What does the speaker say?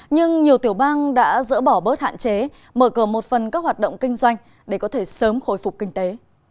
nhưng nhiều tiểu bang đã dỡ bỏ bớt hạn chế mở cửa một phần các hoạt động kinh doanh để có thể sớm khôi phục kinh tế